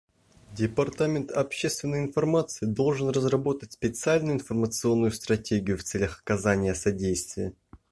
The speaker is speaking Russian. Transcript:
Департамент общественной информации должен разработать специальную информационную стратегию в целях оказания содействия.